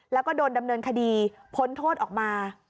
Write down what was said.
แล้วก็โดนดำเนินคดีพ้นโทษออกมา